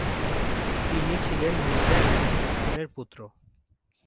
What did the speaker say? তিনি ছিলেন মির্জা ইব্রাহীম হোসেনের পুত্র।